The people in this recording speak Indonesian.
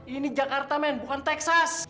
ini jakarta man bukan texas